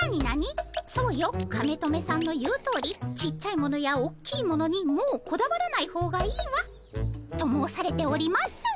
「そうよカメトメさんの言うとおりちっちゃいものやおっきいものにもうこだわらない方がいいわ」と申されております。